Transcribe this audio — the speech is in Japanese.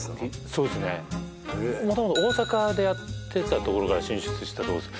そうですね元々大阪でやってたところから進出したところです